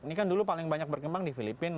ini kan dulu paling banyak berkembang di filipina